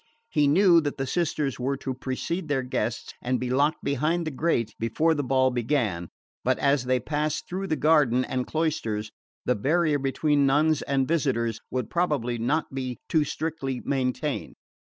He knew that the sisters were to precede their guests and be locked behind the grate before the ball began; but as they passed through the garden and cloisters the barrier between nuns and visitors would probably not be too strictly maintained.